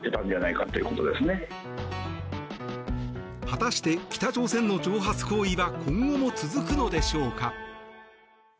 果たして北朝鮮の挑発行為は今後も続くのでしょうか。